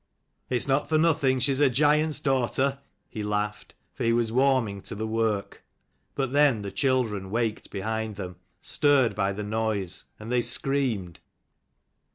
" It's not for nothing she's a giant's daughter," he laughed, for he was warming to the work. But then the children waked behind them, stirred by the noise ; and they screamed.